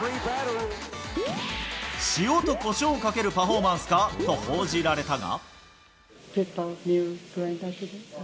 塩とこしょうをかけるパフォーマンスか？と報じられたが。